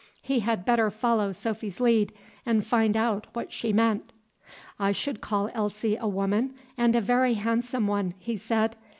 He had better follow Sophy's lead and find out what she meant. "I should call Elsie a woman, and a very handsome one," he said.